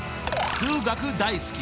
数学大好き！